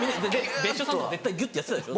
別所さん絶対ギュってやってたでしょ。